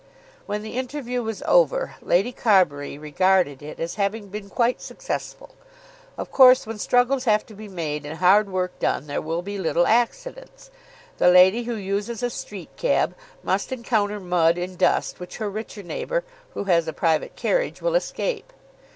When the interview was over Lady Carbury regarded it as having been quite successful. Of course when struggles have to be made and hard work done, there will be little accidents. The lady who uses a street cab must encounter mud and dust which her richer neighbour, who has a private carriage, will escape.